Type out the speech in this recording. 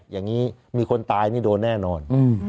อย่างนี้มีคนตายนี่โดนแน่นอน